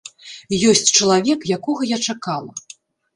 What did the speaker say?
Ёсць чалавек, якога я чакала!